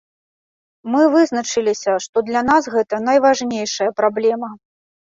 Мы вызначыліся, што для нас гэта найважнейшая праблема.